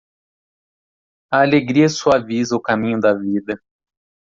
A alegria suaviza o caminho da vida.